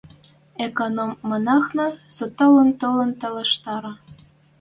Эконом монахна со толын-толын талаштара.